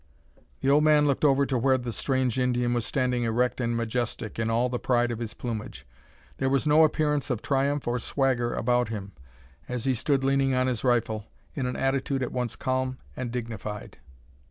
The old man looked over to where the strange Indian was standing erect and majestic, in all the pride of his plumage. There was no appearance of triumph or swagger about him, as he stood leaning on his rifle, in an attitude at once calm and dignified.